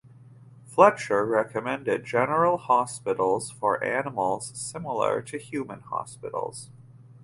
Fletcher recommended general hospitals for animals similar to human hospitals.